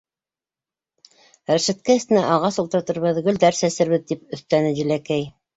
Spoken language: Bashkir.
— Рәшәткә эсенә ағас ултыртырбыҙ, гөлдәр сәсербеҙ, — тип өҫтәне Диләкәй.